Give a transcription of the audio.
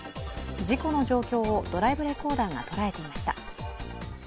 事故の状況をドライブレコーダーが捉えていました。